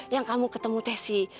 yang kamu ketemu teh si